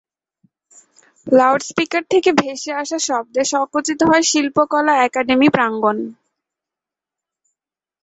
Loud speaker থেকে ভেসে আসা শব্দে সচকিত হয় শিল্পকলা একাডেমি প্রাঙ্গণ।